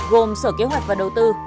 gồm sở kế hoạch và đầu tư